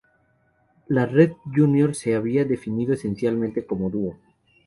Los Red Juniors se habían definido esencialmente como dúo.